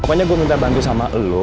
pokoknya gue minta bantu sama lo